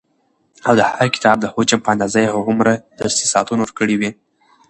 او د هر کتاب د حجم په اندازه يي هغومره درسي ساعتونه ورکړي وي،